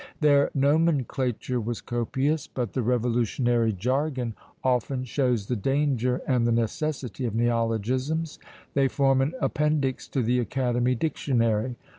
Their nomenclature was copious; but the revolutionary jargon often shows the danger and the necessity of neologisms. They form an appendix to the Academy Dictionary.